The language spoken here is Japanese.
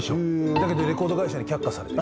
だけどレコード会社に却下された。